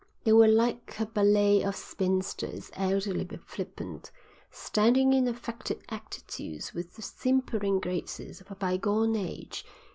They were like a ballet of spinsters, elderly but flippant, standing in affected attitudes with the simpering graces of a bygone age.